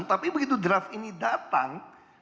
tapi begitu draft ini datang